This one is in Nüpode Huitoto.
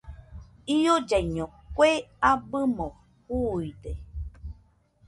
Iollaiño kue abɨmo juuide.